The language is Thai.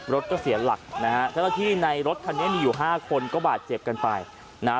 รถก็เสียหลักนะฮะเจ้าหน้าที่ในรถคันนี้มีอยู่ห้าคนก็บาดเจ็บกันไปนะฮะ